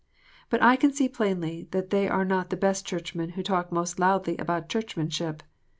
But I can see plainly that they are not the best Churchmen who talk most loudly about Churclmianship.